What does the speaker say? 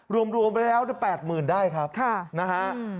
รวมไปแล้ว๘๐๐๐ได้ครับนะฮะ